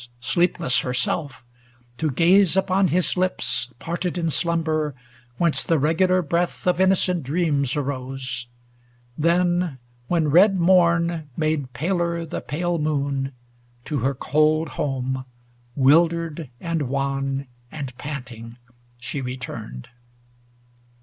Sleepless herself, to gaze upon his lips Parted in slumber, whence the regular breath Of innocent dreams arose; then, when red morn Made paler the pale moon, to her cold home Wildered, and wan, and panting, she re turned.